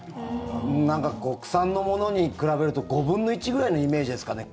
なんか、国産のものに比べると５分の１ぐらいのイメージですかね。